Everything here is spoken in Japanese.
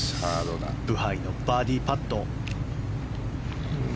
ブハイのバーディーパット。